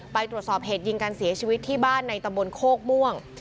ไปตรวจสอบเหตุยิงการเสียชีวิตที่บ้านในตำบลโคกม่วง